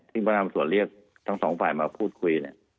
ที่พระนามสวรรค์เรียกทั้งสองฝ่ายมาพูดคุยเนี่ย